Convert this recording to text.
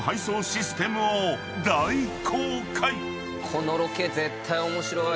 このロケ絶対面白い。